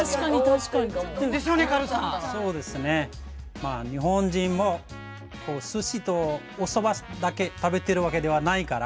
まあ日本人もおすしとおそばだけ食べてるわけではないから。